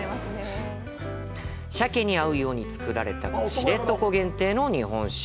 鮭に合うように造られた知床限定の日本酒。